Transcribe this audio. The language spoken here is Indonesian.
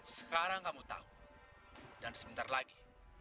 sekarang kamu tahu dan sebentar lagi